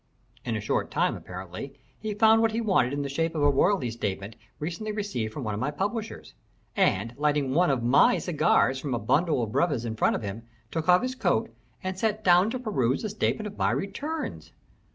In a short time, apparently, he found what he wanted in the shape of a royalty statement recently received by me from my publishers, and, lighting one of my cigars from a bundle of brevas in front of him, took off his coat and sat down to peruse the statement of my returns.